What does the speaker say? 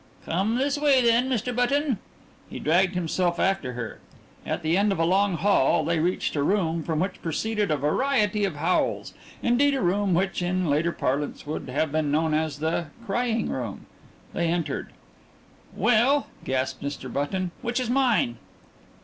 "Come this way, then, Mr. Button." He dragged himself after her. At the end of a long hall they reached a room from which proceeded a variety of howls indeed, a room which, in later parlance, would have been known as the "crying room." They entered. "Well," gasped Mr. Button, "which is mine?"